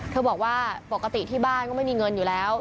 บอกว่าปกติที่บ้านก็ไม่มีเงินอยู่แล้ว